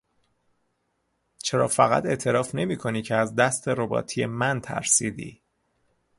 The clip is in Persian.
چرا فقط اعتراف نمیکنی که از دست رباتیه من ترسیدی؟